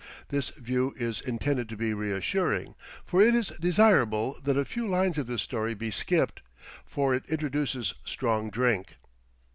This view is intended to be reassuring, for it is desirable that a few lines of this story be skipped. For it introduces strong drink.